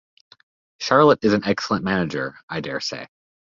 Charlotte is an excellent manager, I dare say.